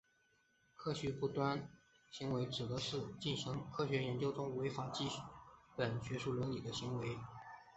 科学不端行为指的是在进行科学研究过程中违反基本学术伦理的行为。